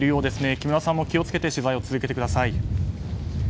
木村さんも気を付けて取材を続けてください。